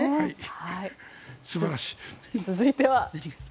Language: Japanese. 続いては。